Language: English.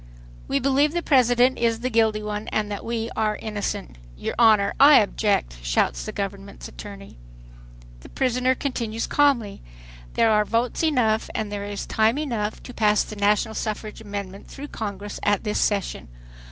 "We believe the President is the guilty one and that we are innocent." "Your Honor, I object," shouts the Government's attorney. The prisoner continues calmly: "There are votes enough and there is time enough to pass the national suffrage amendment through Congress at this session.